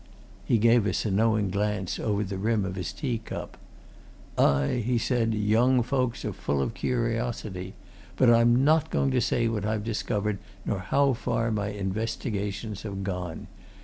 He gave us a knowing glance over the rim of his tea cup. "Aye!" he said. "Young folks are full of curiosity. But I'm not going to say what I've discovered, nor how far my investigations have gone.